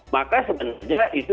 maka sebenarnya itu